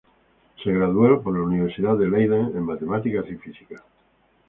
Se graduó por la Universidad de Leiden en Matemáticas y Física.